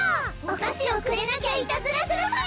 お菓子をくれなきゃいたずらするぞ！